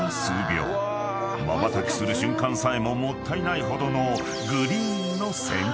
［まばたきする瞬間さえももったいないほどの］